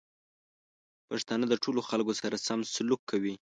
پښتانه د ټولو خلکو سره سم سلوک کوي.